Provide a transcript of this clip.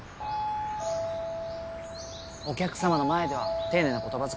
お客様の前では丁寧な言葉遣いでね。